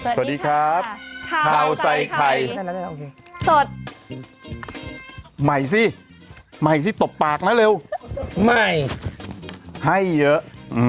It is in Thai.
สวัสดีครับข้าวใส่ไข่สดใหม่สิใหม่สิตบปากนะเร็วใหม่ให้เยอะ